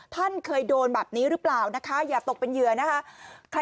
ท่านเคยโดนแบบนี้หรือเปล่านะคะอย่าตกเป็นเหยื่อนะคะ